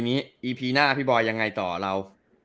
มีอีพีหน้าพี่บอยยังไงต่อเรา